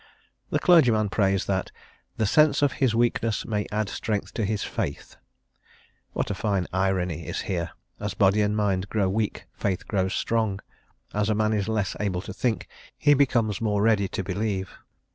The clergyman prays that "the sense of his weakness may add strength to his faith;" what fine irony is here, as body and mind grow weak faith grows strong; as a man is less able to think, he becomes more ready to believe.